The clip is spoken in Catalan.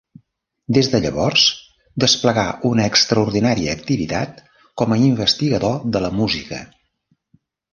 Des de llavors desplegà una extraordinària activitat com a investigador de la música.